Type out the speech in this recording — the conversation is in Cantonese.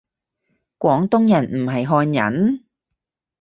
廣東人唔係漢人？